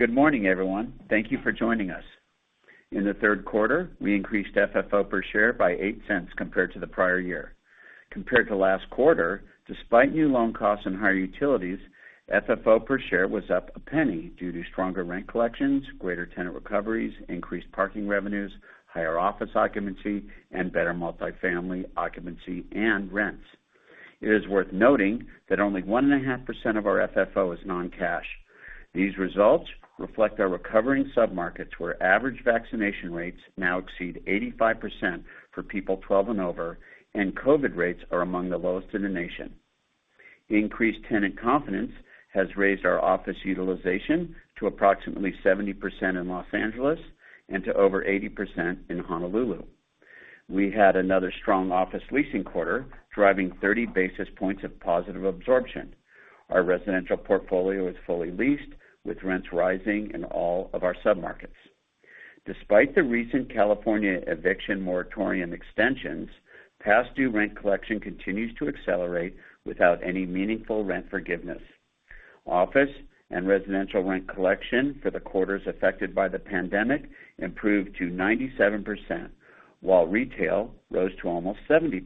Good morning, everyone. Thank you for joining us. In the third quarter, we increased FFO per share by $0.08 compared to the prior year. Compared to last quarter, despite new loan costs and higher utilities, FFO per share was up $0.01 due to stronger rent collections, greater tenant recoveries, increased parking revenues, higher office occupancy, and better multifamily occupancy and rents. It is worth noting that only 1.5% of our FFO is non-cash. These results reflect our recovering submarkets where average vaccination rates now exceed 85% for people 12 and over and COVID rates are among the lowest in the nation. Increased tenant confidence has raised our office utilization to approximately 70% in Los Angeles and to over 80% in Honolulu. We had another strong office leasing quarter driving 30 basis points of positive absorption. Our residential portfolio is fully leased with rents rising in all of our submarkets. Despite the recent California eviction moratorium extensions, past due rent collection continues to accelerate without any meaningful rent forgiveness. Office and residential rent collection for the quarters affected by the pandemic improved to 97% while retail rose to almost 70%.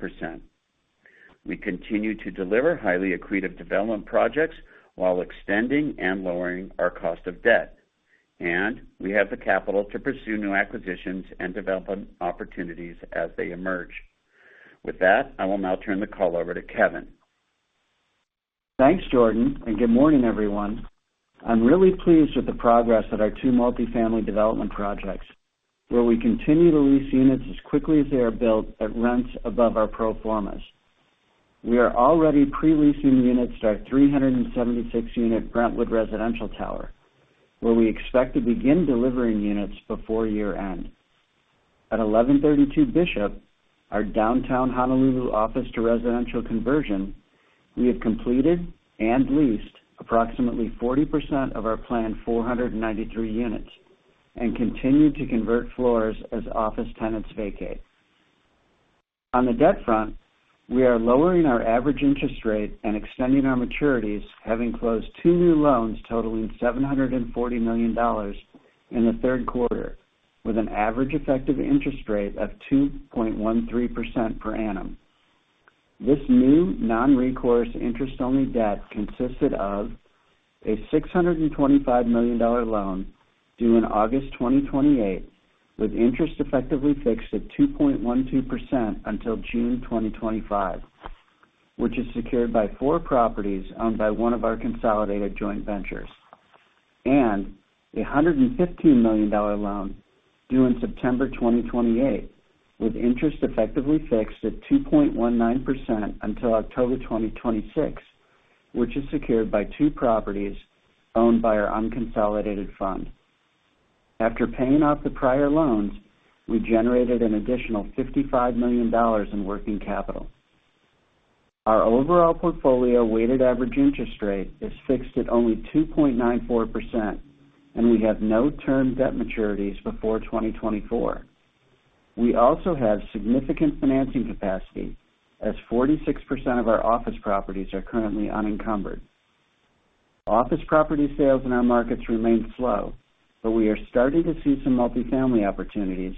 We continue to deliver highly accretive development projects while extending and lowering our cost of debt. We have the capital to pursue new acquisitions and development opportunities as they emerge. With that, I will now turn the call over to Kevin. Thanks, Jordan, and good morning, everyone. I'm really pleased with the progress of our two multifamily development projects where we continue to lease units as quickly as they are built at rents above our pro formas. We are already pre-leasing units to our 376 unit Brentwood residential tower where we expect to begin delivering units before year-end. At 1132 Bishop, our downtown Honolulu office to residential conversion, we have completed and leased approximately 40% of our planned 493 units and continue to convert floors as office tenants vacate. On the debt front, we are lowering our average interest rate and extending our maturities, having closed two new loans totaling $740 million in the third quarter, with an average effective interest rate of 2.13% per annum. This new non-recourse interest-only debt consisted of a $625 million loan due in August 2028 with interest effectively fixed at 2.12% until June 2025, which is secured by four properties owned by one of our consolidated joint ventures. A $115 million loan due in September 2028 with interest effectively fixed at 2.19% until October 2026, which is secured by two properties owned by our unconsolidated fund. After paying off the prior loans, we generated an additional $55 million in working capital. Our overall portfolio weighted average interest rate is fixed at only 2.94%, and we have no term debt maturities before 2024. We also have significant financing capacity as 46% of our office properties are currently unencumbered. Office property sales in our markets remain slow, but we are starting to see some multifamily opportunities,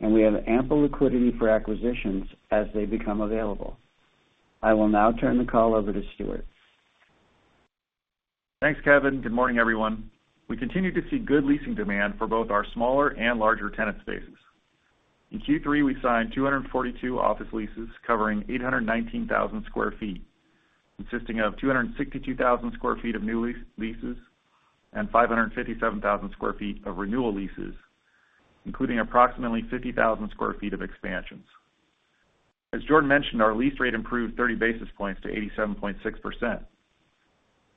and we have ample liquidity for acquisitions as they become available. I will now turn the call over to Stuart. Thanks, Kevin. Good morning, everyone. We continue to see good leasing demand for both our smaller and larger tenant spaces. In Q3, we signed 242 office leases covering 819,000 sq ft, consisting of 262,000 sq ft of new leases, and 557,000 sq ft of renewal leases, including approximately 50,000 sq ft of expansions. As Jordan mentioned, our lease rate improved 30 basis points to 87.6%.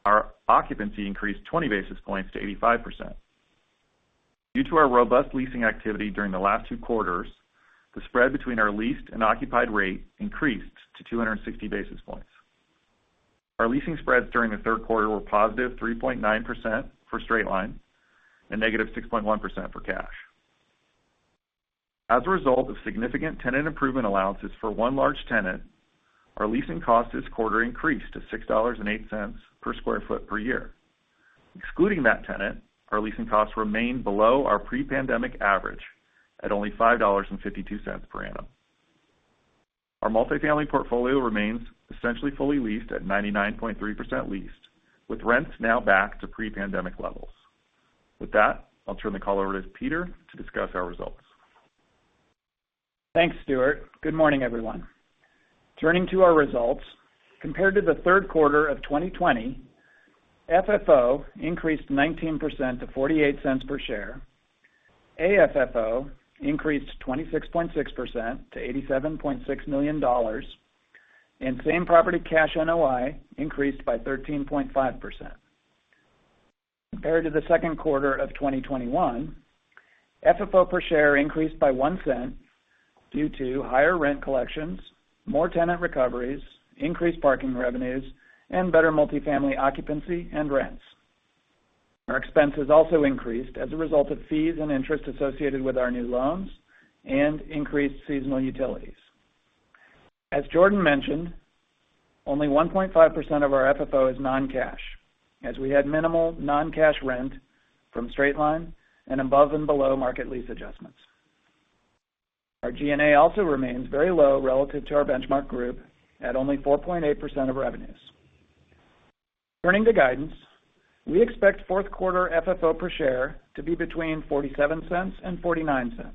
Our occupancy increased 20 basis points to 85%. Due to our robust leasing activity during the last two quarters, the spread between our leased and occupied rate increased to 260 basis points. Our leasing spreads during the third quarter were positive 3.9% for straight line and -6.1% for cash. As a result of significant tenant improvement allowances for one large tenant, our leasing cost this quarter increased to $6.08 per sq ft per year. Excluding that tenant, our leasing costs remain below our pre-pandemic average at only $5.52 per annum. Our multifamily portfolio remains essentially fully leased at 99.3% leased with rents now back to pre-pandemic levels. With that, I'll turn the call over to Peter to discuss our results. Thanks, Stuart. Good morning, everyone. Turning to our results, compared to the third quarter of 2020, FFO increased 19% to $0.48 per share. AFFO increased 26.6% to $87.6 million, and same property cash NOI increased by 13.5%. Compared to the second quarter of 2021, FFO per share increased by $0.01 due to higher rent collections, more tenant recoveries, increased parking revenues, and better multifamily occupancy and rents. Our expenses also increased as a result of fees and interest associated with our new loans and increased seasonal utilities. As Jordan mentioned, only 1.5% of our FFO is non-cash, as we had minimal non-cash rent from straight-line and above and below market lease adjustments. Our G&A also remains very low relative to our benchmark group at only 4.8% of revenues. Turning to guidance, we expect fourth quarter FFO per share to be between $0.47 and $0.49.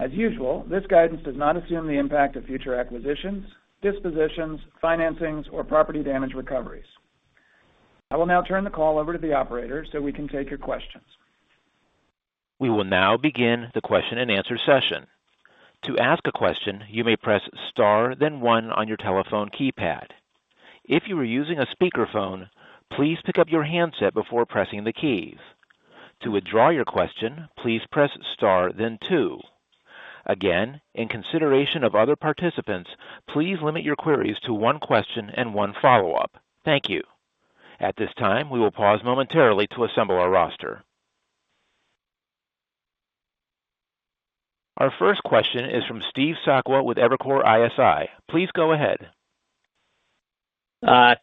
As usual, this guidance does not assume the impact of future acquisitions, dispositions, financings, or property damage recoveries. I will now turn the call over to the operator so we can take your questions. We will now begin the question-and-answer session. To ask a question, you may press star, then one on your telephone keypad. If you are using a speakerphone, please pick up your handset before pressing the keys. To withdraw your question, please press star then two. Again, in consideration of other participants, please limit your queries to one question and one follow-up. Thank you. At this time, we will pause momentarily to assemble our roster. Our first question is from Steve Sakwa with Evercore ISI. Please go ahead.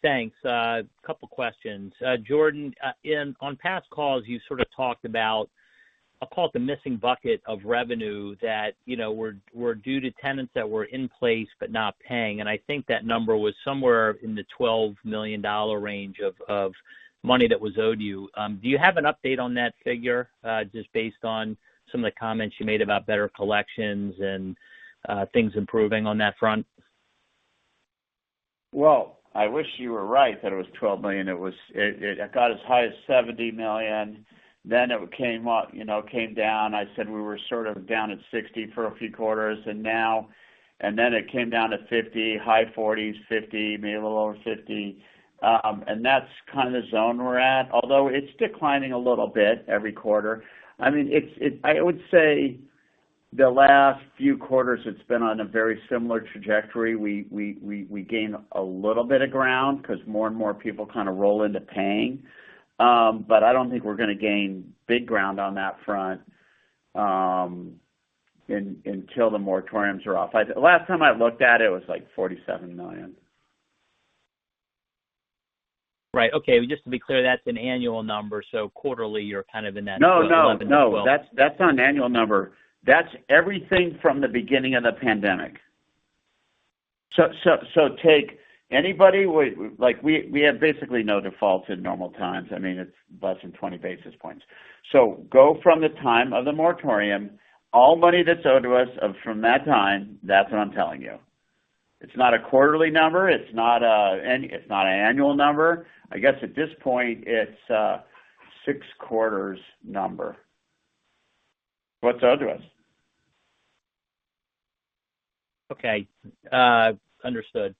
Thanks. A couple of questions. Jordan, on past calls, you sort of talked about, I'll call it the missing bucket of revenue that, you know, were due to tenants that were in place, but not paying. I think that number was somewhere in the $12 million range of money that was owed to you. Do you have an update on that figure, just based on some of the comments you made about better collections, and things improving on that front? Well, I wish you were right that it was $12 million. It got as high as $70 million, then it came up, you know, came down. I said we were sort of down at $60 million for a few quarters. Now it came down to $50 million, high $40 million, $50 million, maybe a little over $50 million. That's kind of the zone we're at, although it's declining a little bit every quarter. I mean, I would say the last few quarters, it's been on a very similar trajectory. We gain a little bit of ground because more and more people kind of roll into paying. But I don't think we're going to gain big ground on that front until the moratoriums are off. Last time I looked at, it was like $47 million. Right. Okay and just to be clear, that's an annual number, so quarterly, you're kind of in that 11 to 12. No, no, that's not an annual number. That's everything from the beginning of the pandemic. Take anybody, wait, like, we have basically no defaults in normal times. I mean, it's less than 20 basis points. Go from the time of the moratorium, all money that's owed to us from that time, that's what I'm telling you. It's not a quarterly number, it's not an annual number. At this point, it's six quarters number, what's owed to us. Okay, understood.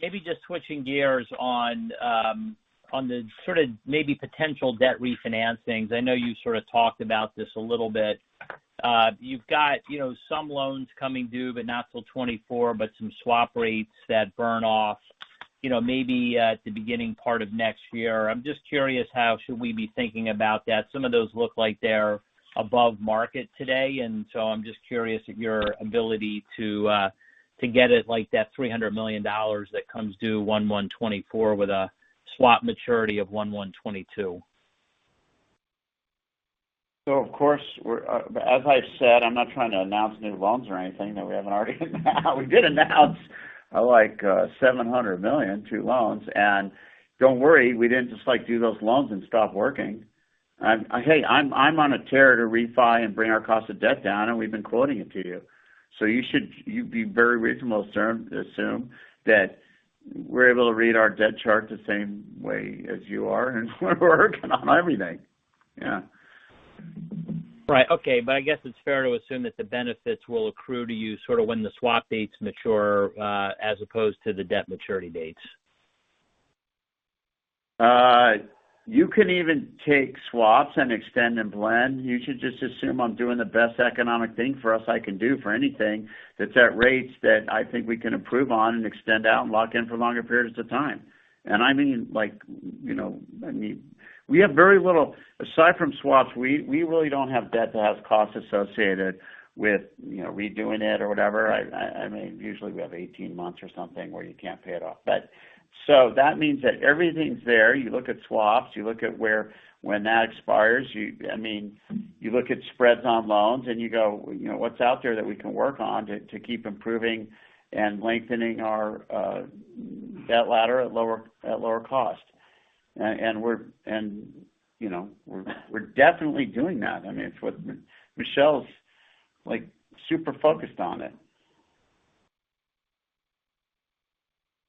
Maybe just switching gears on the sort of maybe potential debt refinancings. I know you sort of talked about this a little bit. You've got, you know, some loans coming due, but not till 2024, but some swap rates that burn off, you know, maybe at the beginning part of next year. I'm just curious, how should we be thinking about that? Some of those look like they're above market today, and so I'm just curious of your ability to get it like that $300 million that comes due 1/1/2024 with a swap maturity of 1/1/2022. Of course, as I said, I'm not trying to announce new loans or anything that we haven't already announced. We did announce $700 million, two loans. Don't worry, we didn't just do those loans and stop working. I'm on a tear to refi and bring our cost of debt down, and we've been quoting it to you. You'd be very reasonable to assume that we're able to read our debt chart the same way as you are, and we're working on everything. Right. Okay. It's fair to assume that the benefits will accrue to you sort of when the swap dates mature as opposed to the debt maturity dates. You can even take swaps and extend and blend. You should just assume I'm doing the best economic thing for us I can do for anything, that's at rates that I think we can improve on, and extend out and lock in for longer periods of time. I mean, like, you know, I mean, we have very little, aside from swaps, we really don't have debt that has costs associated with, you know, redoing it or whatever. I mean, usually we have 18 months or something where you can't pay it off. That means that everything's there. You look at swaps. You look at where, when that expires. I mean, you look at spreads on loans, and you go, you know, what's out there that we can work on to keep improving and lengthening our debt ladder at lower cost. We're definitely doing that. I mean, it's what Michelle's like, super focused on it.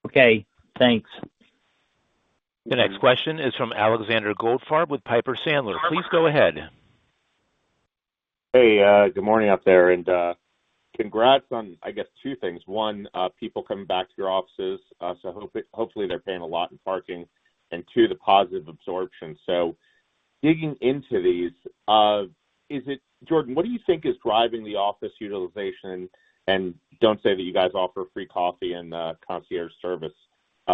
Okay, thanks. The next question is from Alexander Goldfarb with Piper Sandler. Please go ahead. Hey, good morning out there. Congrats on two things. One, people coming back to your offices, so hopefully they're paying a lot in parking, and two, the positive absorption. Digging into these, Jordan, what do you think is driving the office utilization? And don't say that you guys offer free coffee and concierge service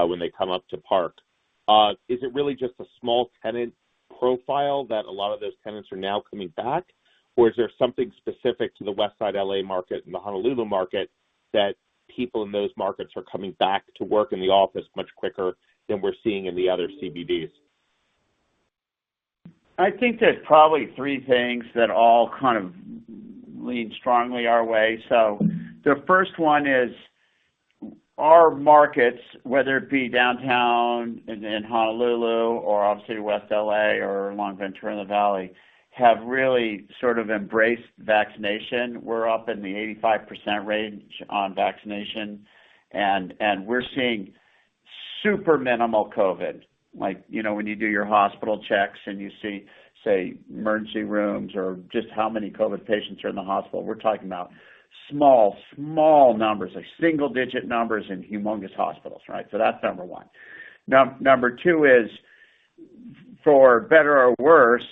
when they come up to park. Is it really just a small tenant profile that a lot of those tenants are now coming back or is there something specific to the Westside L.A. market and the Honolulu market that people in those markets are coming back to work in the office much quicker than we're seeing in the other CBDs? I think there's probably three things that all kind of lean strongly our way. The first one is our markets, whether it be downtown and then Honolulu or, obviously, West L.A. or along Ventura in the Valley, have really sort of embraced vaccination. We're up in the 85% range on vaccination, and we're seeing super minimal COVID like, you know, when you do your hospital checks and you see, say, emergency rooms or just how many COVID patients are in the hospital. We're talking about small numbers, like single-digit numbers in humongous hospitals, right? That's number one. Number two is, for better or worse,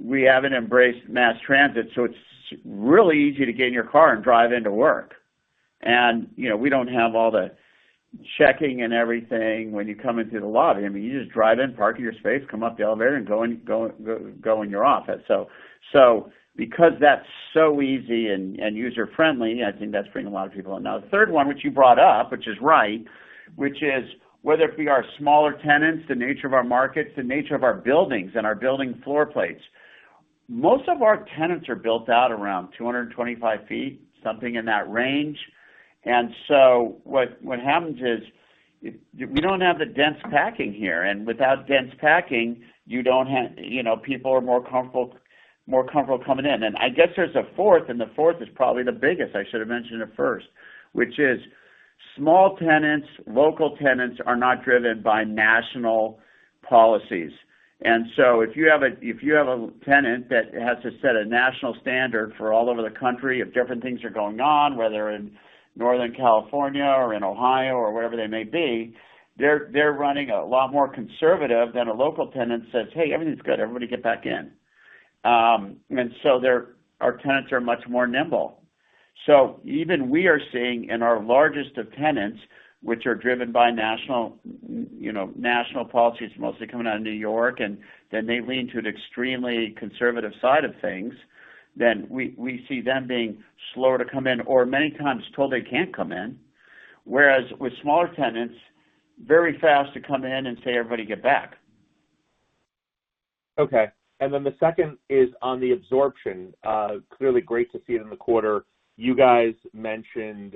we haven't embraced mass transit, so it's really easy to get in your car and drive into work. We don't have all the checking and everything when you come into the lobby. I mean, you just drive in, park in your space, come up the elevator and go in your office. So because that's so easy and user-friendly, I think that's bringing a lot of people in. Now, the third one, which you brought up, which is right, which is whether it be our smaller tenants, the nature of our markets, the nature of our buildings, and our building floor plates. Most of our tenants are built out around 225 feet, something in that range. What happens is we don't have the dense packing here and without dense packing, you don't have, you know, people are more comfortable coming in. There's a fourth and the fourth is probably the biggest. I should have mentioned it first, which is small tenants, local tenants are not driven by national policies. If you have a tenant that has to set a national standard for all over the country, if different things are going on, whether in Northern California or in Ohio or wherever they may be, they're running a lot more conservative than a local tenant says, "Hey, everything's good. Everybody get back in." Our tenants are much more nimble. Even we are seeing in our largest of tenants, which are driven by national, you know, national policies, mostly coming out of New York, and then they lean to an extremely conservative side of things. We see them being slower to come in or many times told they can't come in, whereas with smaller tenants, very fast to come in and say, "Everybody get back." Okay. The second is on the absorption, clearly, great to see it in the quarter. You guys mentioned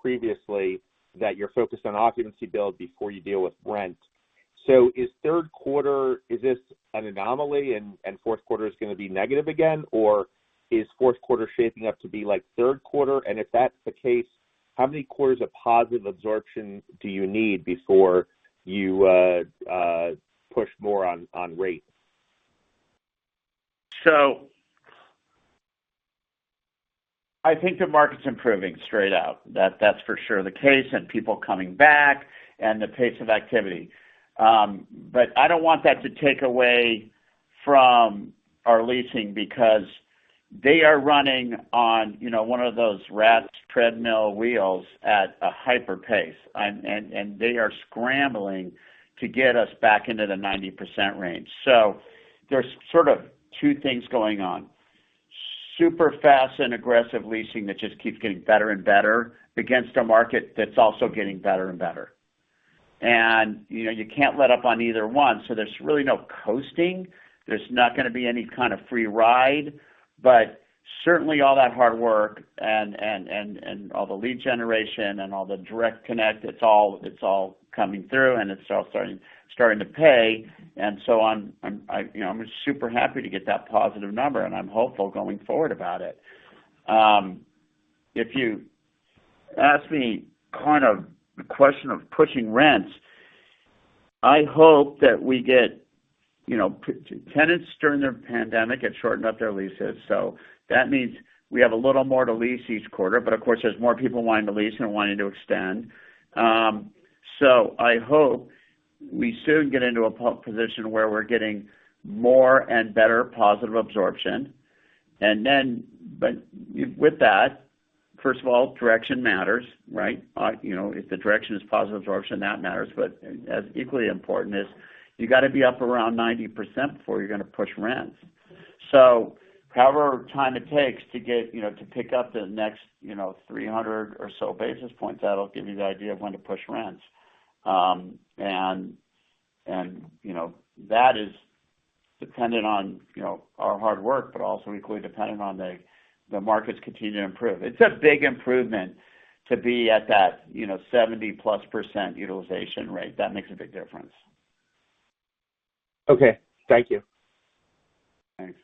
previously that you're focused on occupancy build before you deal with rent. Is third quarter, is this an anomaly and fourth quarter is going to be negative again or is fourth quarter shaping up to be like third quarter? If that's the case, how many quarters of positive absorption do you need before you push more on rates? I think the market's improving, straight up, that's for sure the case, and people coming back, and the pace of activity. I don't want that to take away from our leasing because they are running on, you know, one of those rat's treadmill wheels at a hyper pace. They are scrambling to get us back into the 90% range. There's sort of two things going on, super fast and aggressive leasing that just keeps getting better and better against a market that's also getting better and better. You can't let up on either one. There's really no coasting. There's not going to be any kind of free ride. Certainly all that hard work and all the lead generation and all the direct connect, it's all coming through, and it's all starting to pay. I'm just super happy to get that positive number, and I'm hopeful going forward about it. If you ask me kind of the question of pushing rents, I hope that we get, you know, tenants during the pandemic had shortened up their leases. That means we have a little more to lease each quarter, but of course, there's more people wanting to lease than wanting to extend. I hope we soon get into a position where we're getting more and better positive absorption. With that, first of all, direction matters, right? If the direction is positive absorption, that matters. As equally important is you got to be up around 90% before you're going to push rents. However time it takes to get to pick up the next 300 or so basis points, that'll give you the idea of when to push rents. That is dependent on our hard work but also equally dependent on the markets continue to improve. It's a big improvement to be at that 70+% utilization rate. That makes a big difference. Okay. Thank you. Thanks.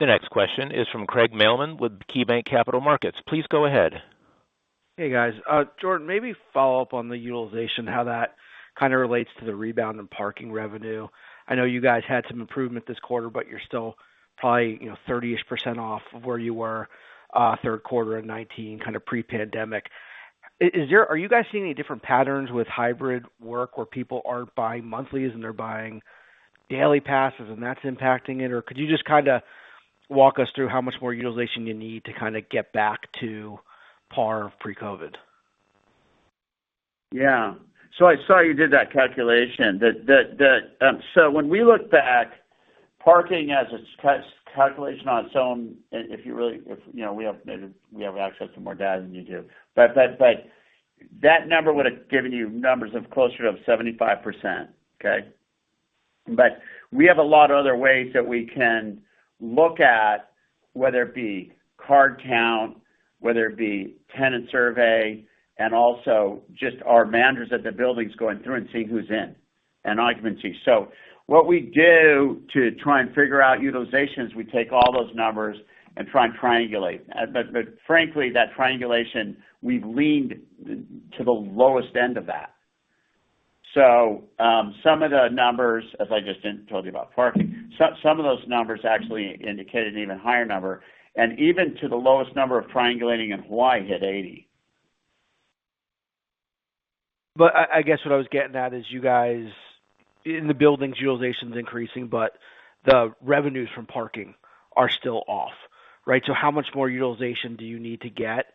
The next question is from Craig Mailman with KeyBanc Capital Markets. Please go ahead. Hey, guys. Jordan, maybe follow up on the utilization, how that kind of relates to the rebound in parking revenue. I know you guys had some improvement this quarter, but you're still probably, you know, 30%-ish off of where you were, third quarter of 2019, kind of pre-pandemic. Are you guys seeing any different patterns with hybrid work where people aren't buying monthlies, and they're buying daily passes, and that's impacting it? Could you just walk us through how much more utilization you need to kind of get back to par pre-COVID. Yeah, I saw you did that calculation so when we look back, parking as its calculation on its own, you know, we have access to more data than you do. That number would have given you numbers closer to 75%, okay? We have a lot of other ways that we can look at whether it be car count, whether it be tenant survey, and also just our managers at the buildings going through and seeing who's in, and occupancy. What we do to try and figure out utilization is we take all those numbers and try and triangulate. Frankly, that triangulation, we've leaned to the lowest end of that. Some of the numbers, as I just then told you about parking, some of those numbers actually indicate an even higher number, and even to the lowest number of triangulating in Hawaii hit 80. What I was getting at is you guys, in the buildings, utilization is increasing, but the revenues from parking are still off, right? How much more utilization do you need to get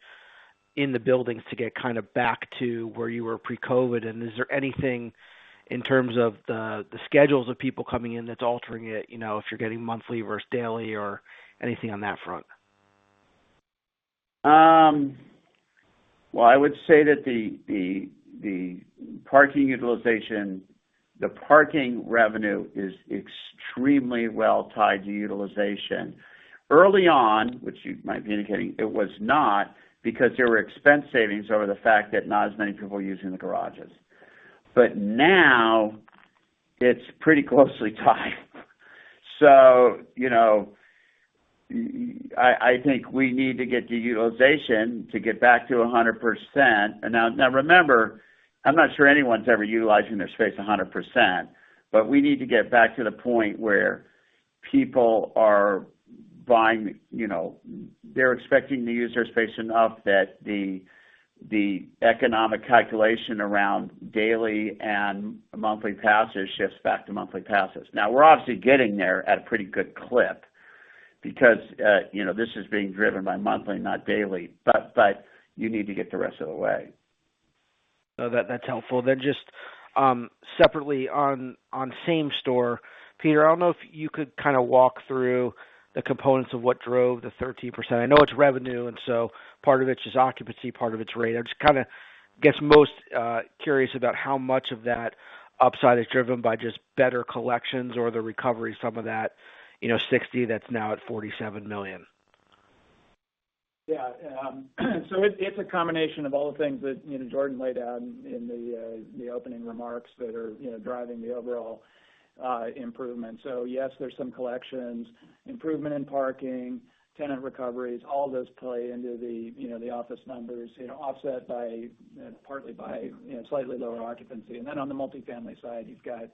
in the buildings to get kind of back to where you were pre-COVID? Is there anything in terms of the schedules of people coming in that's altering it, you know, if you're getting monthly versus daily or anything on that front? Well, I would say that the parking utilization, the parking revenue is extremely well tied to utilization. Early on, which you might be indicating, it was not because there were expense savings over the fact that not as many people were using the garages. Now it's pretty closely tied. I think we need to get the utilization to get back to 100%. Now remember, I'm not sure anyone's ever utilizing their space 100%, but we need to get back to the point where people are buying, you know, they're expecting to use their space enough that the economic calculation around daily and monthly passes shifts back to monthly passes. Now we're, obviously, getting there at a pretty good clip because, you know, this is being driven by monthly, not daily, but you need to get the rest of the way. No, that's helpful, then just separately on same-store. Peter, I don't know if you could kind of walk through the components of what drove the 13%. I know it's revenue, and so part of it is just occupancy, part of it's rate. I'm just kind of guessing, most curious about how much of that upside is driven by just better collections or the recovery, some of that, you know, $60 million, that's now at $47 million. Yeah. It's a combination of all the things that, you know, Jordan laid out in the opening remarks that are, you know, driving the overall improvement. Yes, there's some collections improvement in parking, tenant recoveries, all those play into the, you know, the office numbers, you know, offset partly by slightly lower occupancy. On the multifamily side, you've got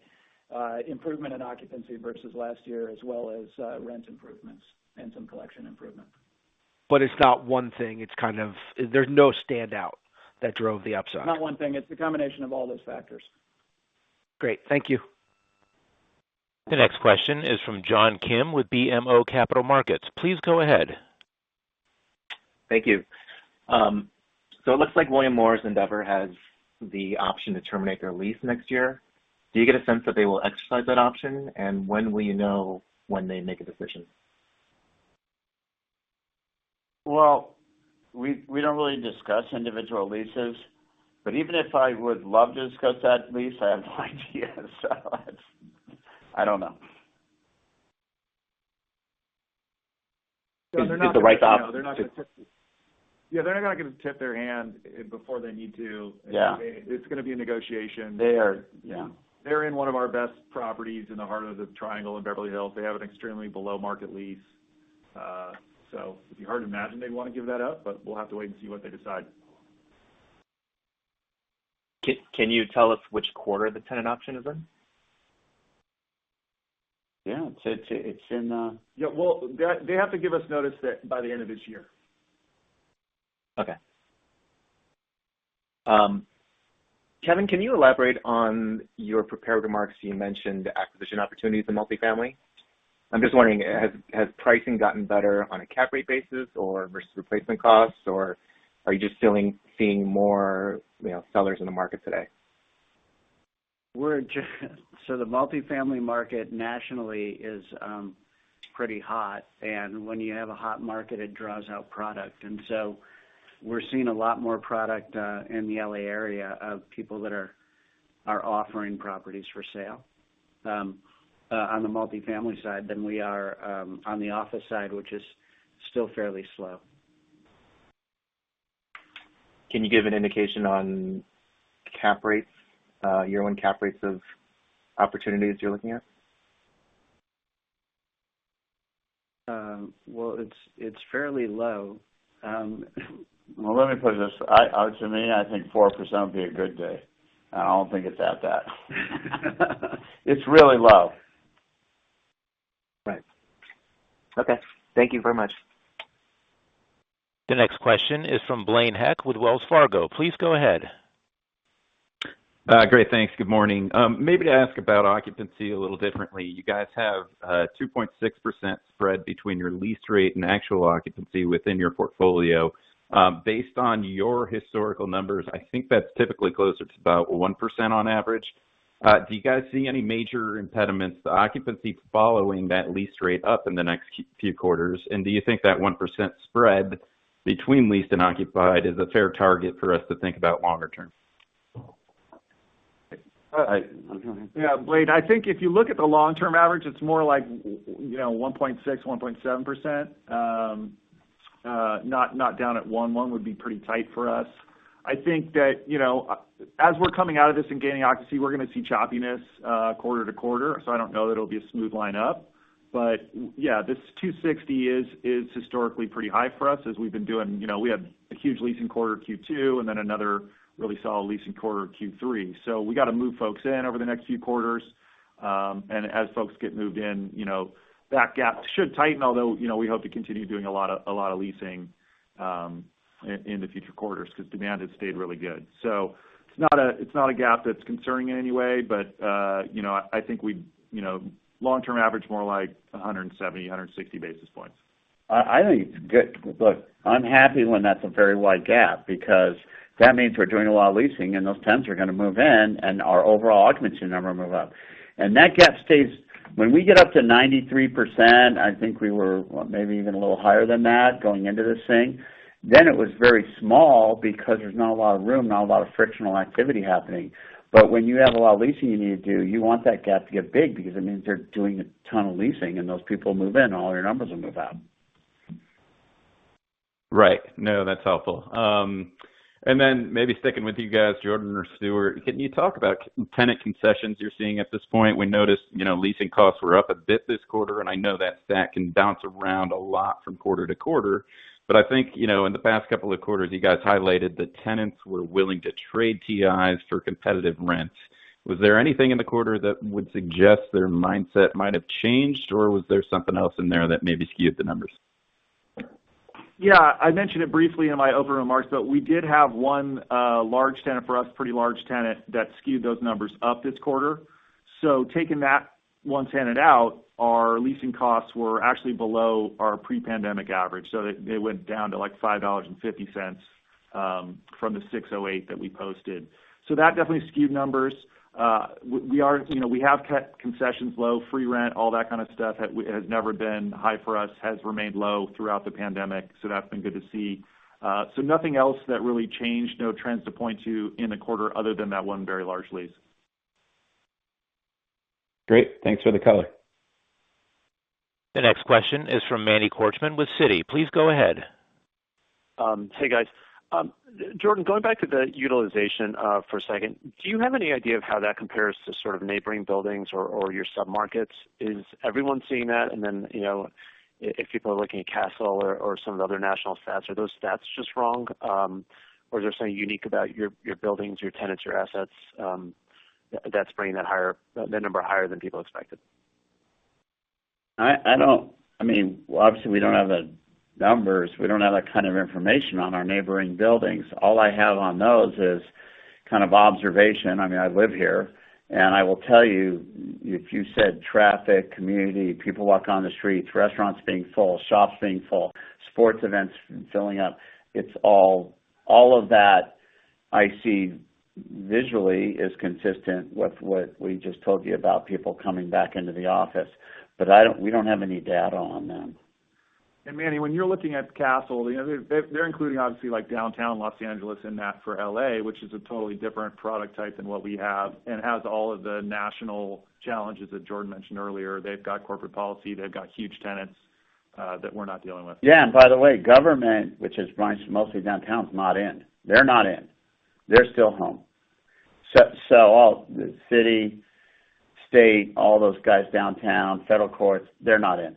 improvement in occupancy versus last year, as well as rent improvements and some collection improvement. It's not one thing. It's kind of, there's no standout that drove the upside. It's not one thing. It's a combination of all those factors. Great. Thank you. The next question is from John Kim with BMO Capital Markets. Please go ahead. Thank you. It looks like William Morris Endeavor has the option to terminate their lease next year. Do you get a sense that they will exercise that option? When will you know when they make a decision? Well, we don't really discuss individual leases, but even if I would love to discuss that lease, I have no idea. I don't know. Is the right option? They're not going to tip their hand? They're not going to tip their hand before they need to. Yeah. It's going to be a negotiation there. Yeah. They're in one of our best properties in the heart of the triangle in Beverly Hills. They have an extremely below-market lease. It'd be hard to imagine they'd want to give that up, but we'll have to wait and see what they decide. Can you tell us which quarter the tenant option is in? Yeah. It's in. Yeah. Well, they have to give us notice that by the end of this year. Okay. Kevin, can you elaborate on your prepared remarks? You mentioned acquisition opportunities in multifamily. I'm just wondering, has pricing gotten better on a cap rate basis or versus replacement costs, or are you just seeing more, you know, sellers in the market today? The multifamily market nationally is pretty hot. When you have a hot market, it draws out product. We're seeing a lot more product in the L.A. area of people that are offering properties for sale on the multifamily side than we are on the office side, which is still fairly slow. Can you give an indication on cap rates, year-one cap rates of opportunities you're looking at? Well, it's fairly low. Well, let me put it this way. To me, I think 4% would be a good day. I don't think it's at that. It's really low. Right. Okay. Thank you very much. The next question is from Blaine Heck with Wells Fargo. Please go ahead. Great. Thanks. Good morning. Maybe to ask about occupancy a little differently. You guys have a 2.6% spread between your lease rate and actual occupancy within your portfolio. Based on your historical numbers, I think that's typically closer to about 1% on average. Do you guys see any major impediments to occupancy following that lease rate up in the next few quarters? Do you think that 1% spread between leased and occupied is a fair target for us to think about longer term? Yeah. Blaine, I think if you look at the long-term average, it's more like, you know, 1.6%, 1.7%. Not down at 1%. 1% would be pretty tight for us. I think that, you know, as we're coming out of this and gaining occupancy, we're going to see choppiness quarter-to-quarter, so I don't know that it'll be a smooth line up. Yeah, this 260 is historically pretty high for us as we've been doing. You know, we had a huge leasing quarter Q2 and then another really solid leasing quarter Q3. We got to move folks in over the next few quarters. As folks get moved in, you know, that gap should tighten, although, you know, we hope to continue doing a lot of leasing in the future quarters because demand has stayed really good. It's not a gap that's concerning in any way. I think we'd long-term average more like 170 basis points-160 basis points. I think it's good. Look, I'm happy when that's a very wide gap because that means we're doing a lot of leasing, and those tenants are going to move in, and our overall occupancy number move up. That gap stays, when we get up to 93%, I think we were maybe even a little higher than that going into this thing, then it was very small because there's not a lot of room, not a lot of frictional activity happening. When you have a lot of leasing you need to do, you want that gap to get big because it means they're doing a ton of leasing, and those people move in, all your numbers will move up. Right. No, that's helpful. Maybe sticking with you guys, Jordan or Stuart, can you talk about tenant concessions you're seeing at this point? We noticed, you know, leasing costs were up a bit this quarter, and I know that that can bounce around a lot from quarter to quarter. I think, you know, in the past couple of quarters, you guys highlighted that tenants were willing to trade TIs for competitive rents. Was there anything in the quarter that would suggest their mindset might have changed or was there something else in there that maybe skewed the numbers? Yeah. I mentioned it briefly in my opening remarks but we did have one large tenant for us, pretty large tenant that skewed those numbers up this quarter. Taking that one tenant out, our leasing costs were actually below our pre-pandemic average. They went down to like $5.50 from the $6.08 that we posted. That definitely skewed numbers. We have kept concessions low, free rent, all that kind of stuff. It has never been high for us, has remained low throughout the pandemic, so that's been good to see. Nothing else that really changed. No trends to point to in the quarter other than that one very large lease. Great. Thanks for the color. The next question is from Manny Korchman with Citi. Please go ahead. Hey, guys. Jordan, going back to the utilization for a second. Do you have any idea of how that compares to sort of neighboring buildings or your submarkets? Is everyone seeing that? If people are looking at cash flow or some of the other national stats, are those stats just wrong? Is there something unique about your buildings, your tenants, your assets that's bringing that number higher than people expected? I don't, I mean, well, obviously, we don't have the numbers. We don't have that kind of information on our neighboring buildings. All I have on those is kind of observation. I mean, I live here, and I will tell you, if you said traffic, community, people walking on the streets, restaurants being full, shops being full, sports events filling up, it's all of that, I see visually is consistent with what we just told you about people coming back into the office. We don't have any data on them. Manny, when you're looking at Kastle, you know, they're including obviously like Downtown Los Angeles in that for L.A., which is a totally different product type than what we have and has all of the national challenges that Jordan mentioned earlier. They've got corporate policy. They've got huge tenants that we're not dealing with. Yeah. By the way, government, which is branch mostly downtown, is not in. They're not in. They're still home. All the city, state, all those guys downtown, federal courts, they're not in.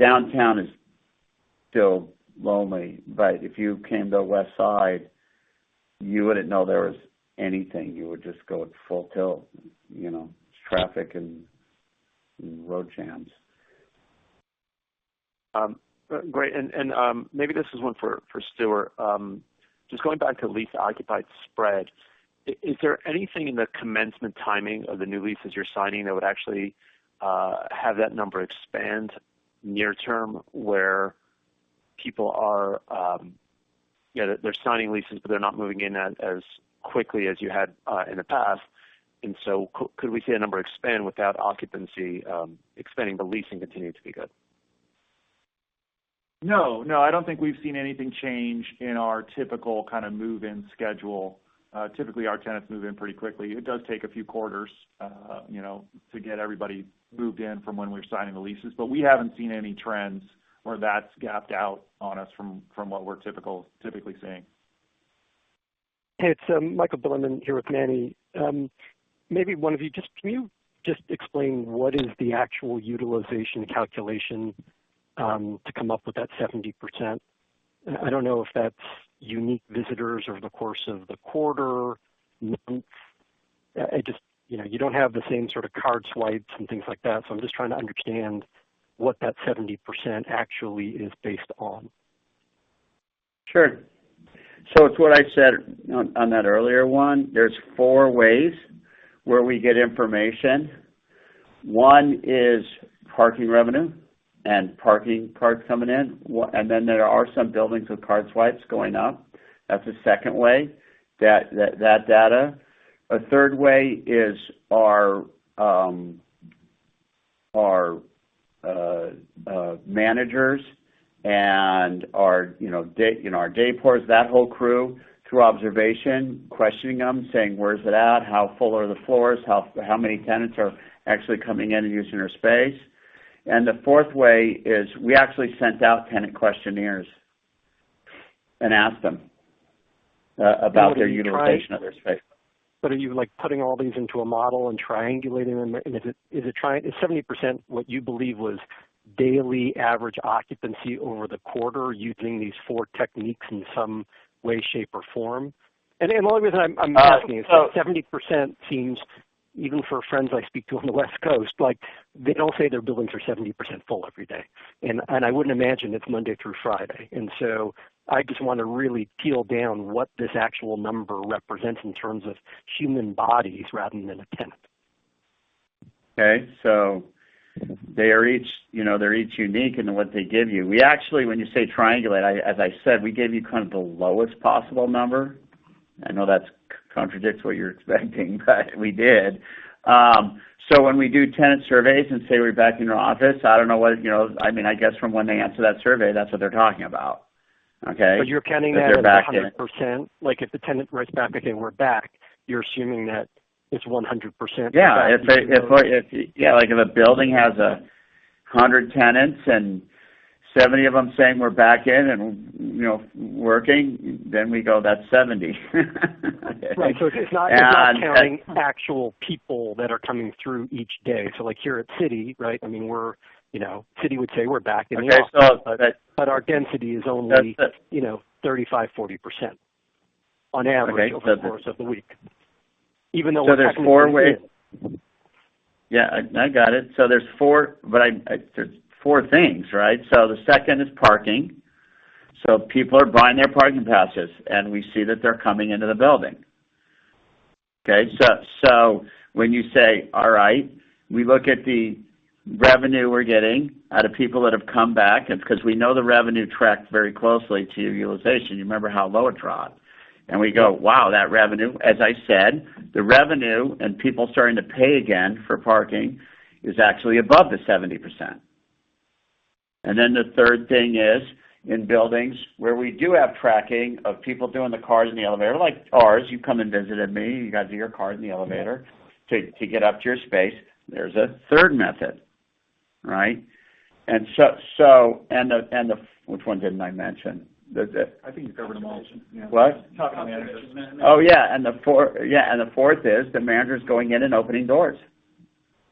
Downtown is still lonely. If you came to the west side, you wouldn't know there was anything. You would just go at full tilt, you know, traffic and road jams. Great and maybe this is one for Stuart, just going back to lease occupied spread. Is there anything in the commencement timing of the new leases you're signing that would actually have that number expand near term where people are signing leases, but they're not moving in as quickly as you had in the past. Could we see a number expand without occupancy expanding but leasing continue to be good? No. No, I don't think we've seen anything change in our typical kind of move-in schedule. Typically, our tenants move in pretty quickly. It does take a few quarters, you know, to get everybody moved in from when we're signing the leases. We haven't seen any trends where that's gapped out on us from what we're typically seeing. It's Michael Bilerman here with Manny. Maybe one of you, can you just explain what is the actual utilization calculation to come up with that 70%? I don't know if that's unique visitors over the course of the quarter. I just, you know, you don't have the same sort of card swipes and things like that, so I'm just trying to understand what that 70% actually is based on. Sure. It's what I said on that earlier one. There's four ways where we get information. One is parking revenue and parking cards coming in. There are some buildings with card swipes going up. That's the second way, that data. A third way is our managers and our, you know, day porters, that whole crew, through observation, questioning them, saying, "Where is it at? How full are the floors? How many tenants are actually coming in and using our space?" The fourth way is we actually sent out tenant questionnaires and asked them about their utilization of their space. Are you, like, putting all these into a model and triangulating them? Is 70% what you believe was daily average occupancy over the quarter using these four techniques in some way, shape, or form? The only reason I'm asking is that 70% seems, even for friends I speak to on the West Coast like they don't say their buildings are 70% full every day. I wouldn't imagine it's Monday through Friday. I just want to really peel down what this actual number represents in terms of human bodies rather than the tenant. Okay. They are each, you know, they're each unique in what they give you. We actually. When you say triangulate, as I said, we gave you kind of the lowest possible number. I know that's contradicts what you're expecting but we did. When we do tenant surveys and say, "We're back in your office," I don't know what, you know. I mean, from when they answer that survey, that's what they're talking about, okay? You're counting that as 100%. Like, if the tenant writes back and say, "We're back," you're assuming that it's 100% back. Yeah. If a building has 100 tenants and 70 of them saying, "We're back in and, you know, working," then we go, that's 70. Right. It's not counting actual people that are coming through each day, like here at Citi, right? I mean, we're, you know, Citi would say we're back in the office. Okay. Our density is on, you know, 35%, 40% on average over the course of the week, even though we're technically back in. Yeah, I got it. There's four things, right? The second is parking. People are buying their parking passes, and we see that they're coming into the building, okay? When you say, all right, we look at the revenue we're getting out of people that have come back, and because we know the revenue tracked very closely to utilization, you remember how low it dropped. We go, "Wow, that revenue." As I said, the revenue and people starting to pay again for parking is actually above the 70%. Then the third thing is, in buildings where we do have tracking of people doing the cards in the elevator, like ours, you've come and visited me, you guys do your card in the elevator to get up to your space. There's a third method, right? Which one didn't I mention? I think you covered them all. What? Top management. Yeah, the fourth is the manager's going in and opening doors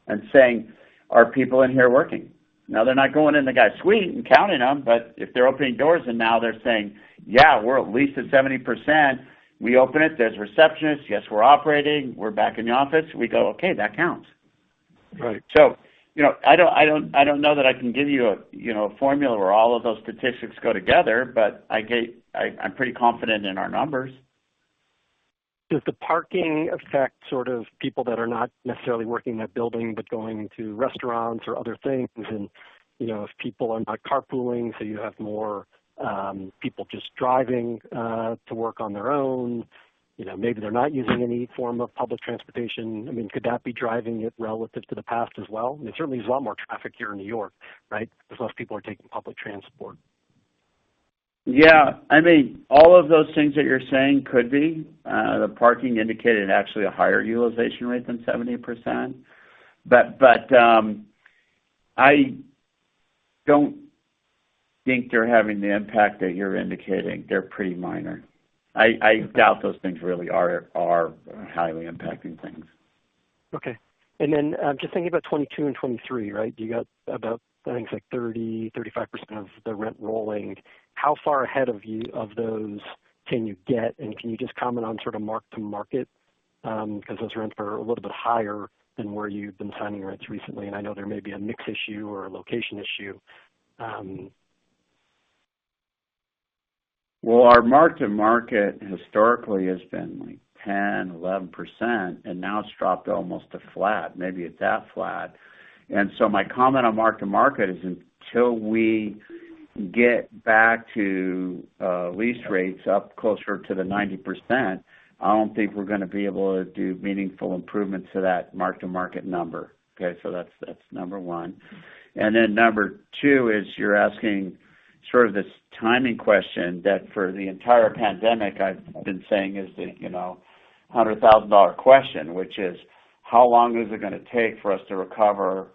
and saying, "Are people in here working?" Now, they're not going in the guy's suite and counting them, but if they're opening doors and now they're saying, "Yeah, we're at least at 70%. We open it. There's a receptionist. Yes, we're operating. We're back in the office." We go, "Okay, that counts." Right. I don't know that I can give you a, you know, a formula where all of those statistics go together, but I'm pretty confident in our numbers. Does the parking affect sort of people that are not necessarily working in that building, but going to restaurants or other things and, you know, if people are not carpooling, so you have more people just driving to work on their own, you know, maybe they're not using any form of public transportation? I mean, could that be driving it relative to the past as well? I mean, certainly there's a lot more traffic here in New York, right? Because less people are taking public transport. Yeah. I mean, all of those things that you're saying could be. The parking indicated actually a higher utilization rate than 70%. I don't think they're having the impact that you're indicating. They're pretty minor. I doubt those things really are highly impacting things. Okay. Then, I'm just thinking about 2022 and 2023, right? You got about, I think it's like 30%-35% of the rent rolling. How far ahead of those can you get? Then can you just comment on sort of mark-to-market because those rents are a little bit higher than where you've been signing rents recently, and I know there may be a mix issue or a location issue. Well, our mark-to-market historically has been like 10%, 11%, and now it's dropped almost to flat, maybe it's that flat. My comment on mark-to-market is until we get back to lease rates up closer to the 90%, I don't think we're going to be able to do meaningful improvements to that mark-to-market number, okay? That's number one. Then number two is you're asking sort of this timing question that for the entire pandemic, I've been saying is the $100,000 question, which is: How long is it going to take for us to recover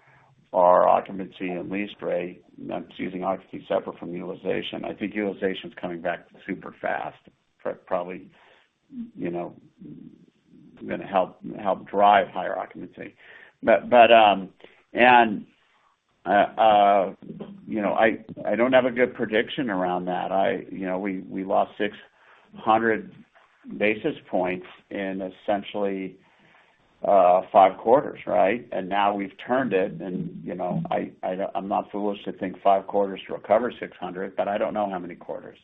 our occupancy and lease rate? I'm just using occupancy separate from utilization. I think utilization's coming back super fast, probably, youknow, going to help drive higher occupancy. I don't have a good prediction around that. We lost 600 basis points in essentially five quarters, right? Now we've turned it and, you know, I don't, I'm not foolish to think five quarters to recover 600, but I don't know how many quarters.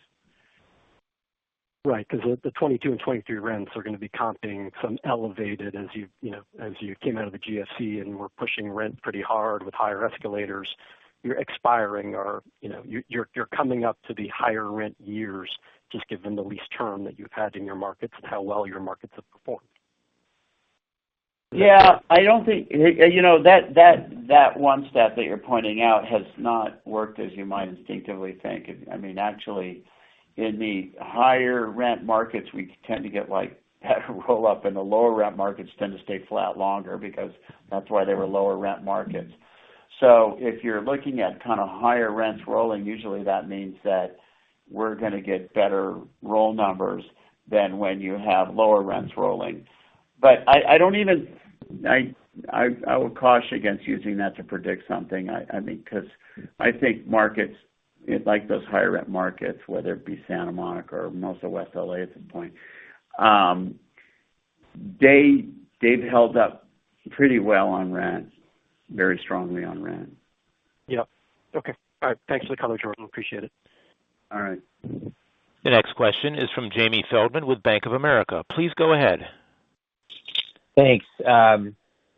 Right, because the 2022 and 2023 rents are going to be comping some elevated as, you know, as you came out of the GFC and were pushing rent pretty hard with higher escalators. You're expiring or, you know, you're coming up to the higher rent years, just given the lease term that you've had in your markets and how well your markets have performed. Yeah. I don't think, you know, that one stat that you're pointing out has not worked as you might instinctively think. I mean, actually in the higher rent markets, we tend to get like better roll-up, and the lower rent markets tend to stay flat longer because that's why they were lower rent markets. If you're looking at kind of higher rents rolling, usually that means that we're going to get better roll numbers than when you have lower rents rolling. I don't even. I would caution against using that to predict something. I mean, because I think markets like those higher rent markets, whether it be Santa Monica or most of West L.A. at some point, they've held up pretty well on rent, very strongly on rent. Yep. Okay. All right. Thanks for the color, Jordan. Appreciate it. All right. The next question is from Jamie Feldman with Bank of America. Please go ahead. Thanks.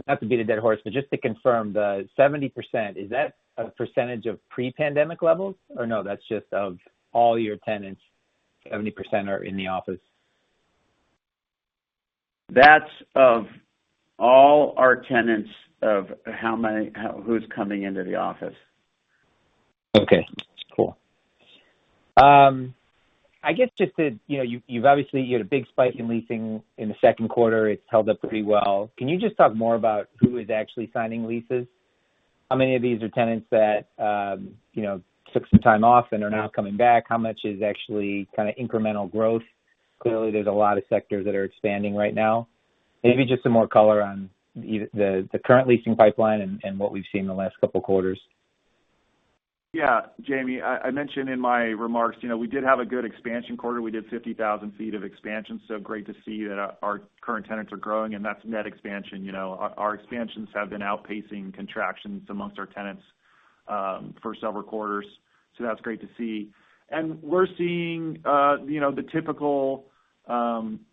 Not to beat a dead horse, but just to confirm the 70%, is that a percentage of pre-pandemic levels, or no, that's just of all your tenants, 70% are in the office? That's of all our tenants of how many who's coming into the office. Okay, cool. You've obviously had a big spike in leasing in the second quarter. It's held up pretty well. Can you just talk more about who is actually signing leases? How many of these are tenants that, you know, took some time off and are now coming back? How much is actually kind of incremental growth? Clearly, there's a lot of sectors that are expanding right now. Maybe just some more color on the current leasing pipeline and what we've seen in the last couple of quarters. Yeah, Jamie, I mentioned in my remarks, you know, we did have a good expansion quarter. We did 50,000 sq ft of expansion, so great to see that our current tenants are growing, and that's net expansion. Our expansions have been outpacing contractions amongst our tenants for several quarters. That's great to see. We're seeing you know, the typical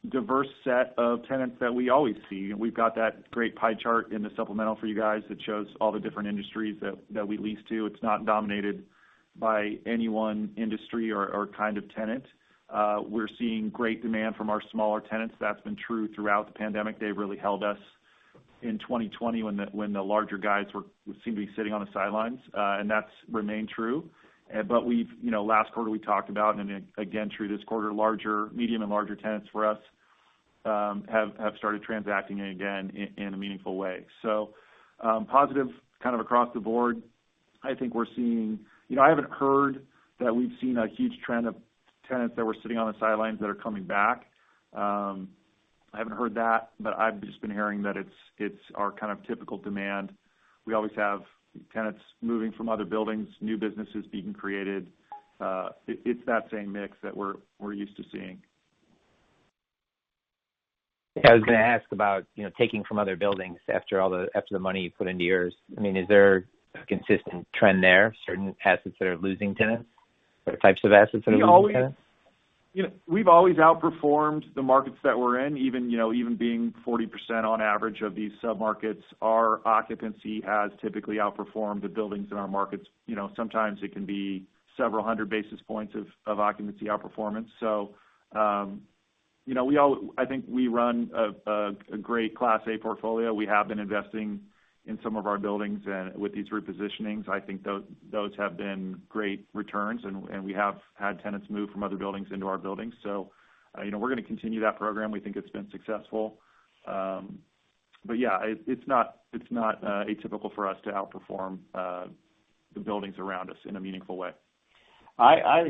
diverse set of tenants that we always see. We've got that great pie chart in the supplemental for you guys that shows all the different industries that we lease to. It's not dominated by any one industry or kind of tenant. We're seeing great demand from our smaller tenants. That's been true throughout the pandemic. They've really held us in 2020 when the larger guys seemed to be sitting on the sidelines and that's remained true. But we've, you know, last quarter we talked about, and again, through this quarter, medium and larger tenants for us have started transacting again in a meaningful way. Positive kind of across the board. I think we're seeing, you know, I haven't heard that we've seen a huge trend of tenants that were sitting on the sidelines that are coming back. I haven't heard that but I've just been hearing that it's our kind of typical demand. We always have tenants moving from other buildings, new businesses being created. It's that same mix that we're used to seeing. I was going to ask about, you know, taking from other buildings after the money you put into yours. I mean, is there a consistent trend there, certain assets that are losing tenants or types of assets that are losing tenants? We've always outperformed the markets that we're in, even, you know, even being 40% on average of these sub-markets. Our occupancy has typically outperformed the buildings in our markets. Sometimes it can be 700 basis points of occupancy outperformance. I think we run a great Class A portfolio. We have been investing in some of our buildings with these repositionings. I think those have been great returns and we have had tenants move from other buildings into our buildings. We're going to continue that program. We think it's been successful. Yeah, it's not atypical for us to outperform the buildings around us in a meaningful way. I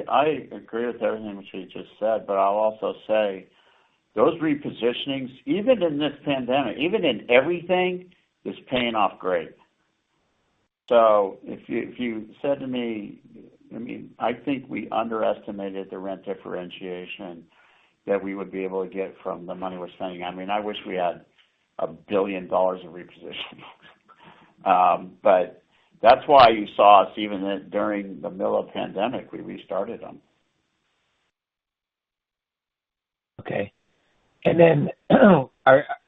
agree with everything that he just said, but I'll also say those repositionings, even in this pandemic, even in everything, is paying off great. If you said to me, I mean, I think we underestimated the rent differentiation that we would be able to get from the money we're spending. I mean, I wish we had $1 billion of repositioning. That's why you saw us, even during the middle of pandemic, we restarted them. Okay.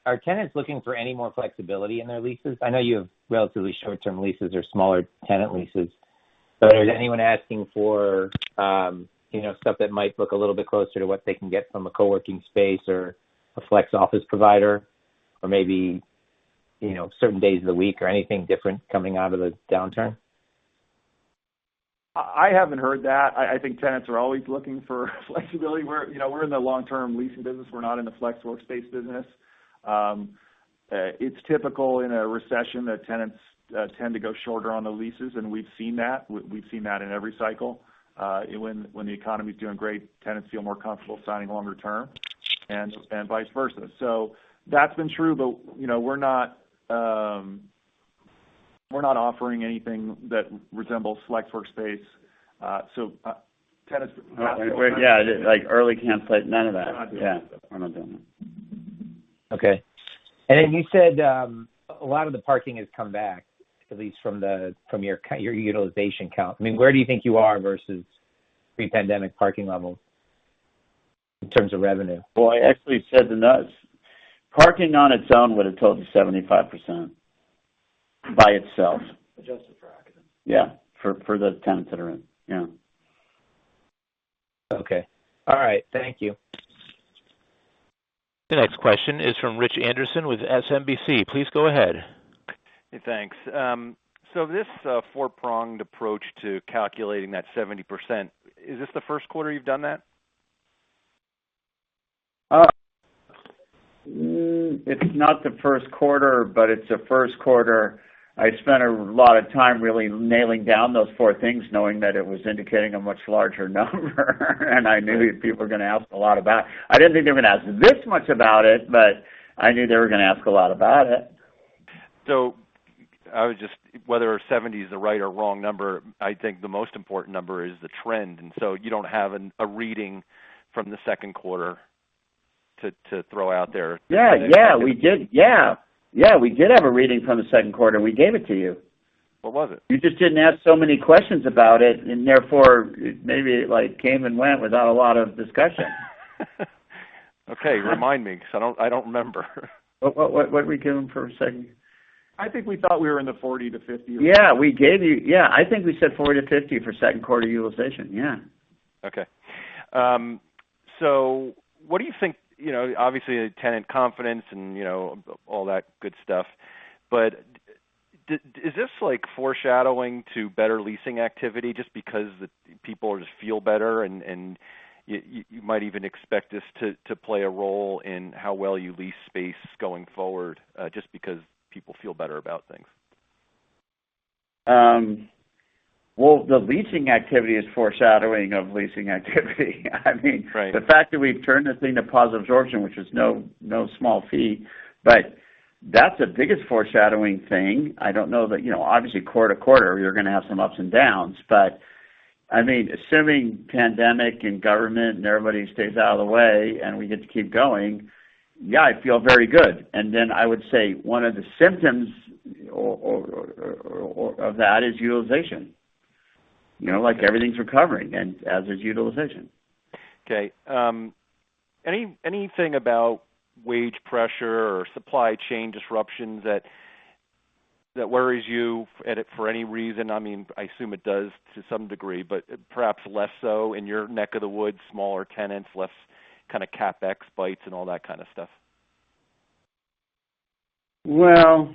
Are tenants looking for any more flexibility in their leases? I know you have relatively short-term leases or smaller tenant leases, but is anyone asking for, you know, stuff that might look a little bit closer to what they can get from a co-working space or a flex office provider or maybe, you know, certain days of the week or anything different coming out of the downturn? I haven't heard that. I think tenants are always looking for flexibility, where you know we're in the long-term leasing business. We're not in the flex workspace business. It's typical in a recession that tenants tend to go shorter on the leases, and we've seen that. We've seen that in every cycle. When the economy is doing great, tenants feel more comfortable signing longer term. vice versa. That's been true, but you know, we're not offering anything that resembles select workspace. Yeah, like early campsite, none of that. We're not doing that. Yeah. We're not doing that. You said, a lot of the parking has come back, at least from your utilization count. I mean, where do you think you are versus pre-pandemic parking levels in terms of revenue? Well, I actually said, parking on its own would total 75% by itself. Adjusted for vacancies. Yeah. For the tenants that are in, yeah. Okay. All right. Thank you. The next question is from Rich Anderson with SMBC. Please go ahead. Thanks. This four-pronged approach to calculating that 70%, is this the first quarter you've done that? It's not the first quarter, but it's the first quarter I spent a lot of time really nailing down those four things, knowing that it was indicating a much larger number. I knew people were going to ask a lot about it. I didn't think they were going to ask this much about it but I knew they were going to ask a lot about it. Whether 70 is the right or wrong number, I think the most important number is the trend. You don't have a reading from the second quarter to throw out there. Yeah, we did have a reading from the second quarter. We gave it to you. What was it? You just didn't ask so many questions about it, and therefore, maybe it, like, came and went without a lot of discussion. Okay. Remind me because I don't remember. What did we give them for a second? I think we thought we were in the 40 to 50. Yeah. I think we said 40 to 50 for second quarter utilization. Yeah. Okay. What do you think, you know, obviously, the tenant confidence and, you know, all that good stuff, but is this like foreshadowing to better leasing activity just because the people just feel better and you might even expect this to play a role in how well you lease space going forward, just because people feel better about things? The leasing activity is foreshadowing of leasing activity. Right. The fact that we've turned this thing to positive absorption, which is no small feat, but that's the biggest foreshadowing thing. I don't know that, you know, obviously quarter to quarter, you're going to have some ups and downs. I mean, assuming pandemic and government and everybody stays out of the way and we get to keep going, yeah, I feel very good. I would say one of the symptoms of that is utilization, you know, like everything's recovering, and as is utilization. Okay. Anything about wage pressure or supply chain disruptions that worries you about it for any reason? I mean, I assume it does to some degree, but perhaps less so in your neck of the woods, smaller tenants, less kind of CapEx bites and all that kind of stuff. Well,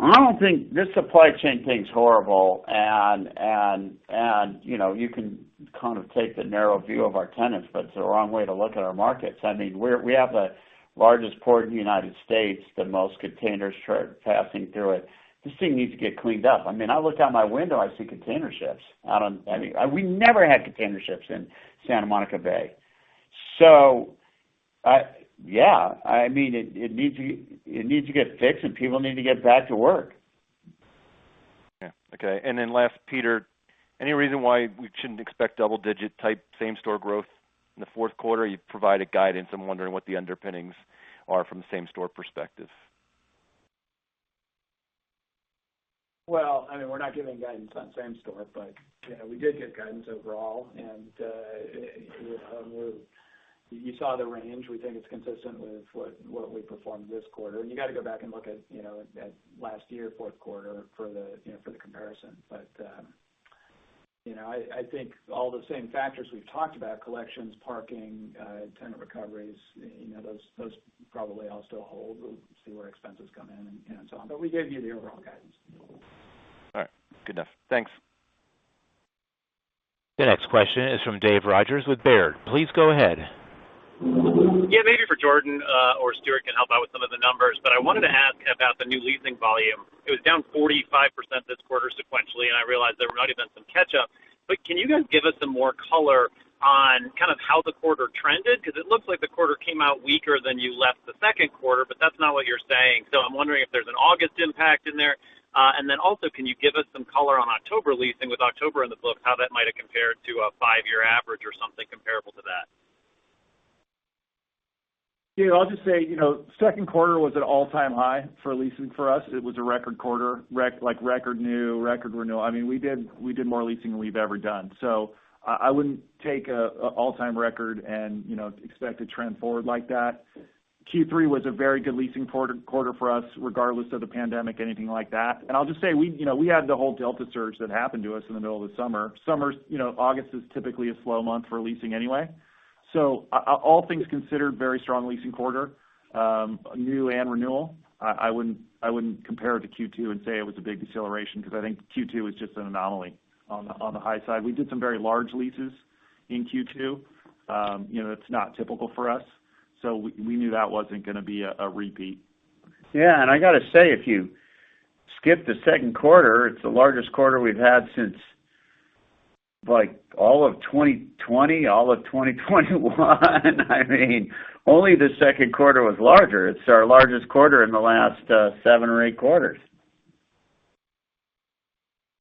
I don't think this supply chain thing's horrible, and you know, you can kind of take the narrow view of our tenants, but it's the wrong way to look at our markets. I mean, we have the largest port in the United States, the most containers passing through it. This thing needs to get cleaned up. I mean, I look out my window, I see container ships out on, I mean, we never had container ships in Santa Monica Bay. Yeah, I mean, it needs to get fixed, and people need to get back to work. Yeah. Okay. Last, Peter, any reason why we shouldn't expect double-digit type same store growth in the fourth quarter? You provided guidance. I'm wondering what the underpinnings are from the same-store perspective. Well, I mean, we're not giving guidance on same store, but, you know, we did give guidance overall, and it was. You saw the range. We think it's consistent with what we performed this quarter. You got to go back and look at, you know, at last year, fourth quarter for the, you know, for the comparison. I think all the same factors we've talked about, collections, parking, tenant recoveries, you know, those probably all still hold. We'll see where expenses come in and so on. We gave you the overall guidance. All right. Good enough. Thanks. The next question is from Dave Rodgers with Baird. Please go ahead. Yeah, maybe for Jordan or Stuart can help out with some of the numbers, but I wanted to ask about the new leasing volume. It was down 45% this quarter sequentially, and I realize there might even be some catch-up. Can you guys give us some more color on kind of how the quarter trended? Because it looks like the quarter came out weaker than you left the second quarter, but that's not what you're saying. I'm wondering if there's an August impact in there. Then also, can you give us some color on October leasing with October in the book, how that might have compared to a five-year average or something comparable to that? Yeah. I'll just say, you know, second quarter was at all-time high for leasing for us. It was a record quarter, like record new, record renewal. I mean, we did more leasing than we've ever done. I wouldn't take an all-time record and, you know, expect to trend forward like that. Q3 was a very good leasing quarter for us, regardless of the pandemic, and anything like that. I'll just say, you know, we had the whole Delta surge that happened to us in the middle of the summer. August is typically a slow month for leasing anyway. All things considered, very strong leasing quarter, new and renewal. I wouldn't compare it to Q2 and say it was a big deceleration because I think Q2 was just an anomaly on the high side. We did some very large leases in Q2. It's not typical for us, so we knew that wasn't going to be a repeat. Yeah. I got to say, if you skip the second quarter, it's the largest quarter we've had since, like, all of 2020, all of 2021. I mean, only the second quarter was larger. It's our largest quarter in the last seven or eight quarters.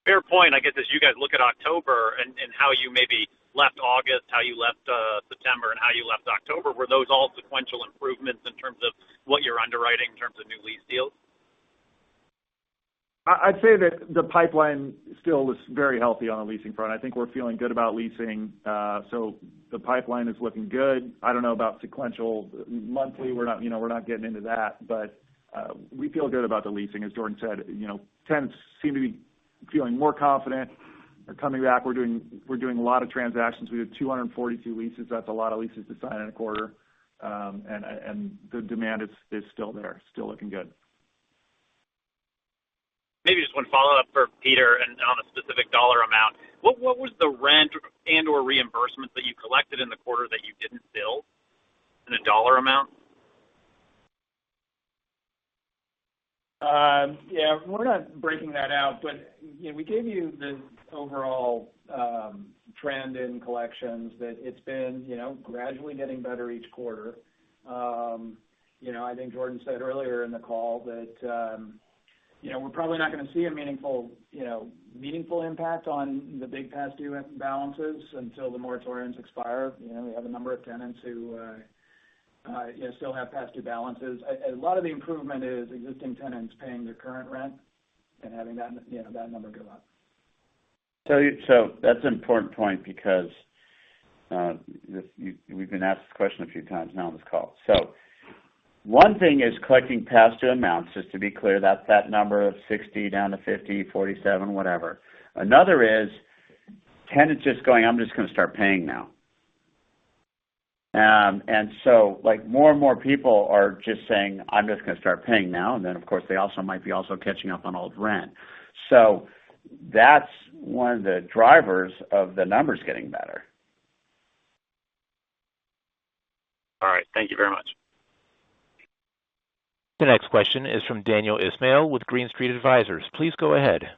Fair point. As you guys look at October and how you maybe left August, how you left September, and how you left October, were those all sequential improvements in terms of what you're underwriting in terms of new lease deals? I'd say that the pipeline still is very healthy on the leasing front. I think we're feeling good about leasing. The pipeline is looking good. I don't know about sequential monthly. We're not, you know, we're not getting into that. We feel good about the leasing. As Jordan said, you know, tenants seem to be feeling more confident. They're coming back. We're doing a lot of transactions. We have 242 leases. That's a lot of leases to sign in a quarter. The demand is still there, still looking good. Maybe just one follow-up for Peter and on a specific dollar amount. What was the rent and/or reimbursements that you collected in the quarter that you didn't bill in a dollar amount? Yeah, we're not breaking that out, but, you know, we gave you the overall trend in collections, that it's been, you know, gradually getting better each quarter. I think Jordan said earlier in the call that, you know, we're probably not going to see a meaningful impact on the big past due balances until the moratoriums expire. We have a number of tenants who still have past due balances. A lot of the improvement is existing tenants paying their current rent and having that, you know, that number go up. That's an important point because we've been asked this question a few times now on this call. One thing is collecting past due amounts, just to be clear, that's that number of 60% down to 50%, 47%, whatever. Another is tenants just going, "I'm just going to start paying now." and so like more and more people are just saying, "I'm just going to start paying now." Then, of course, they might be catching up on old rent. That's one of the drivers of the numbers getting better. All right. Thank you very much. The next question is from Daniel Ismail with Green Street Advisors. Please go ahead.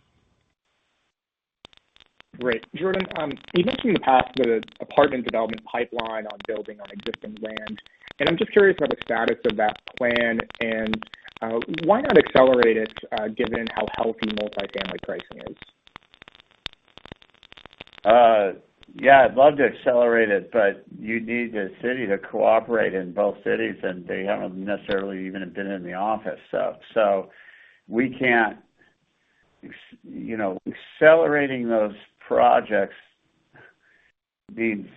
Great. Jordan, you mentioned in the past the apartment development pipeline on building on existing land, and I'm just curious about the status of that plan, and why not accelerate it, given how healthy multi-family pricing is? I'd love to accelerate it, but you need the city to cooperate in both cities, and they haven't necessarily even been in the office. We can't, you know, accelerating those projects means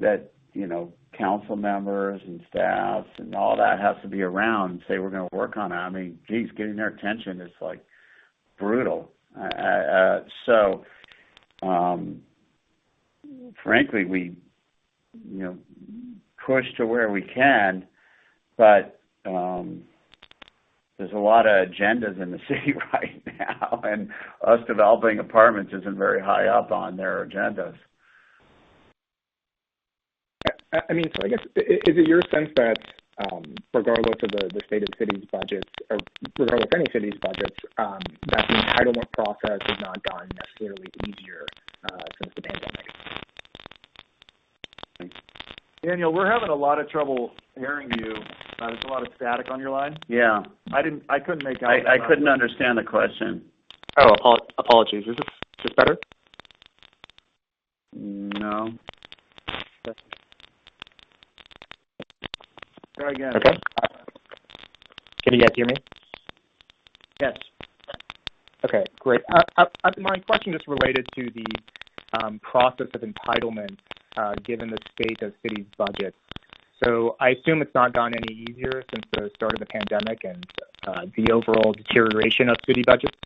that, you know, council members, and staffs, and all that has to be around and say, we're going to work on it. I mean, geez, getting their attention is, like, brutal. Frankly, we push to where we can, but there's a lot of agendas in the city right now, and us developing apartments isn't very high up on their agendas. I mean, is it your sense that, regardless of the state of the city's budgets or regardless any city's budgets, that the entitlement process has not gotten necessarily easier, since the pandemic? Daniel, we're having a lot of trouble hearing you. There's a lot of static on your line. Yeah. I couldn't make out. I couldn't understand the question. Oh, apologies. Is this better? No. Try again. Okay. Can you guys hear me? Yes. Okay, great. My question is related to the process of entitlement, given the state of city's budget. I assume it's not gotten any easier since the start of the pandemic and the overall deterioration of city budgets.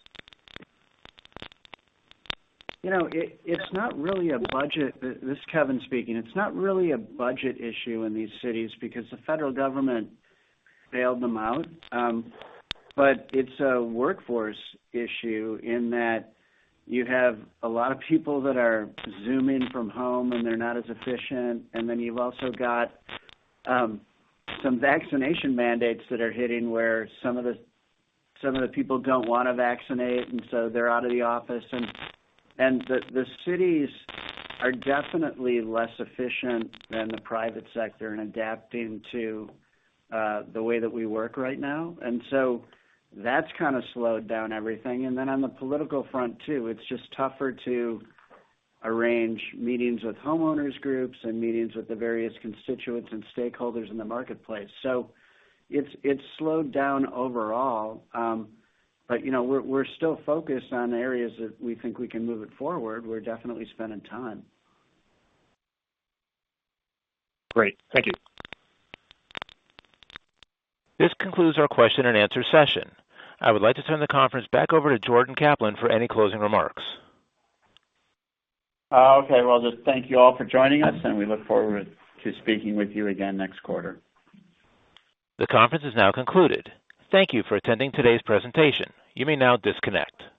This is Kevin speaking. It's not really a budget issue in these cities because the federal government bailed them out. It's a workforce issue in that you have a lot of people that are Zooming from home, and they're not as efficient. You've also got some vaccination mandates that are hitting where some of the people don't want to vaccinate, and so they're out of the office. The cities are definitely less efficient than the private sector in adapting to the way that we work right now. That's kind of slowed down everything. On the political front too, it's just tougher to arrange meetings with homeowners groups and meetings with the various constituents and stakeholders in the marketplace. It's slowed down overall. We're still focused on areas that we think we can move it forward. We're definitely spending time. Great. Thank you. This concludes our question and answer session. I would like to turn the conference back over to Jordan Kaplan for any closing remarks. Okay. Well, just thank you all for joining us and we look forward to speaking with you again next quarter. The conference is now concluded. Thank you for attending today's presentation. You may now disconnect.